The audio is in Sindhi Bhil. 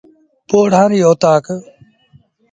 پوڙآ ريٚ اوتآڪ۔